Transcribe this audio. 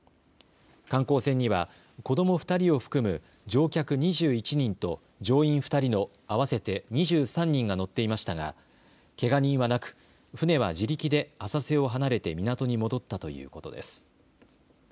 観光船には子ども２人を含む乗客２１人と乗員２人の合わせて２３人が乗っていましたがけが人はなく、船は自力で浅瀬を離れて港に戻ったということです。